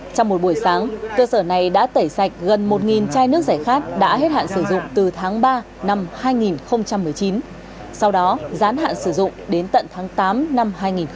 trong một buổi sáng cơ sở này đã tẩy sạch gần một chai nước giải khát đã hết hạn sử dụng từ tháng ba năm hai nghìn một mươi chín sau đó gián hạn sử dụng đến tận tháng tám năm hai nghìn một mươi chín